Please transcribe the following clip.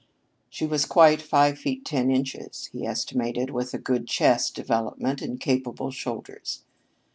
She was quite five feet ten inches, he estimated, with a good chest development and capable shoulders.